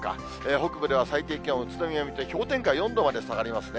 北部では最低気温、宇都宮、水戸、氷点下４度まで下がりますね。